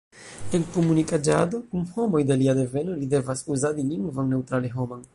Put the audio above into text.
En komunikiĝado kun homoj de alia deveno li devas uzadi lingvon neŭtrale-homan.